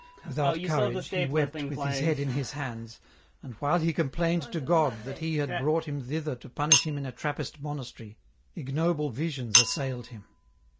Without courage, he wept with his head in his hands, and while he complained to God that He had brought him thither to punish him in a Trappist monastery, ignoble visions assailed him.